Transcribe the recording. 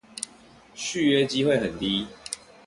續約機會很低